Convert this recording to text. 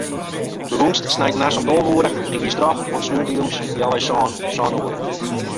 Begûnst sneintenachts om tolve oere en giest troch oant sneontejûns healwei sânen, sân oere.